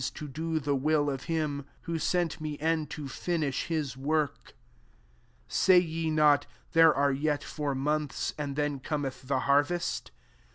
JOHNV. 165 do the will of bim who sent me, and to finish his wc»rk. 35 « Say ye not, « There are [yet] four months, and then eometh the hanrest?'